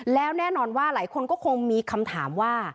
แล้วแน่นอนว่าหลายคนก็คงมีคำถามว่า